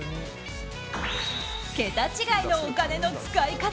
桁違いのお金の使い方。